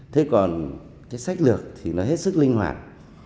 thế còn cái sách lược thì nó hết sức linh hoạt